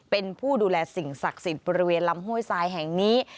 เป็นผู้ดูแลสิ่งศักดิ์สิทธิ์บริเวณลำห้วยทรายแห่งนี้